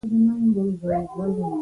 موږ د صلیبي یرغل پرضد قلمي مبارزه کوله.